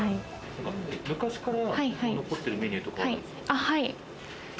昔から残ってるメニューとかあるんですか？